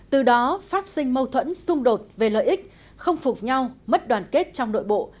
từ đó phát sinh mâu thuẫn xung đột về lợi ích không phục nhau mất đoàn kết trong nội bộ